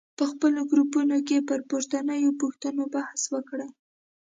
په خپلو ګروپونو کې پر پورتنیو پوښتنو بحث وکړئ.